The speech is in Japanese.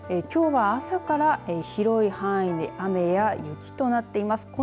きょうは朝から広い範囲で雨や雪となっています。